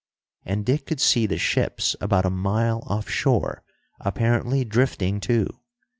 And Dick could see the ships about a mile offshore, apparently drifting too.